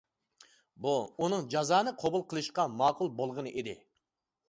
بۇ ئۇنىڭ جازانى قوبۇل قىلىشقا ماقۇل بولغىنى ئىدى!